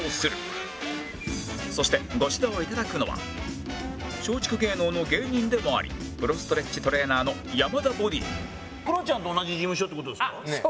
そしてご指導をいただくのは松竹芸能の芸人でもありプロストレッチトレーナーの山田 ＢＯＤＹクロちゃんと同じ事務所って事ですか？